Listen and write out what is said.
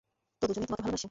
তো, দুজনই তোমাকে ভালোবাসে?